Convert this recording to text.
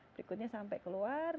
berikutnya sampai keluar